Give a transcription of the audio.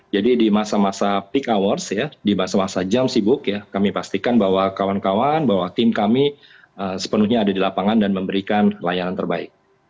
jadi di masa masa peak hours ya di masa masa jam sibuk ya kami pastikan bahwa kawan kawan bahwa tim kami sepenuhnya ada di lapangan dan memberikan layanan terbaik